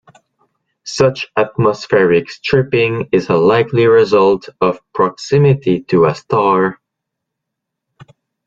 Such atmospheric stripping is a likely result of proximity to a star.